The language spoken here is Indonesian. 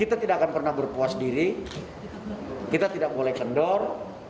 kita tidak akan pernah berpuas diri kita tidak boleh kendor